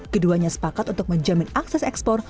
keduanya sepakat untuk menjamin akses ekspor